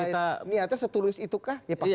ini setulus itu kah